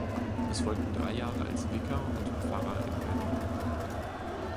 Es folgten drei Jahre als Vikar und Pfarrer in Berlin.